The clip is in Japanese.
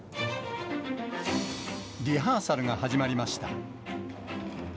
リハーサルが始まりました。